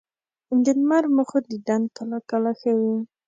د لمر مخو دیدن کله کله ښه وي